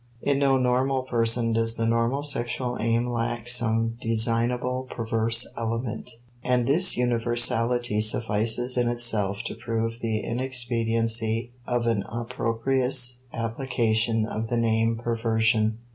In no normal person does the normal sexual aim lack some designable perverse element, and this universality suffices in itself to prove the inexpediency of an opprobrious application of the name perversion.